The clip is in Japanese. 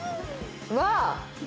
わあ！